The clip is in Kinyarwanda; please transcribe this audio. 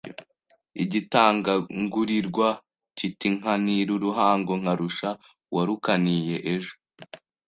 igitagangurirwa kiti nkanira uruhago nkarusha uwarukaniye ejo